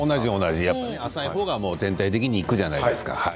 浅いほうが全体にいくじゃないですか。